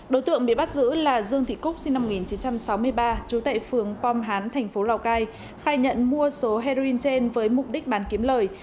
đối tượng bị bắt giữ là dương thị cúc sinh năm một nghìn chín trăm sáu mươi ba trú tại phường pom hán thành phố lào cai khai nhận mua số heroin trên với mục đích bán kiếm lời